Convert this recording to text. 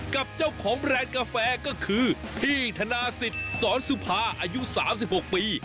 กับเจ้าของแบรนด์กาแฟก็คือพี่ธนาศิษย์สอนสุภาอายุ๓๖ปี